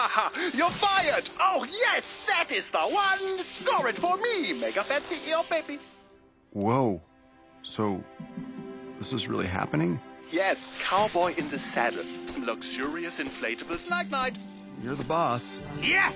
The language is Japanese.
よし！